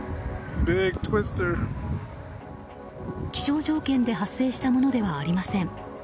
気象条件で発生したものではありません。